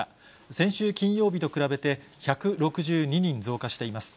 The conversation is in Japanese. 先週金曜日と比べて、１６２人増加しています。